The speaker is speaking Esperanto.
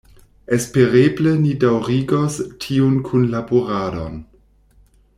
Espereble ni daŭrigos tiun kunlaboradon.